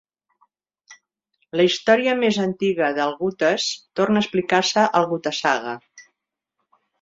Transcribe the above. La història més antiga del gutes torna a explicar-se al "Gutasaga".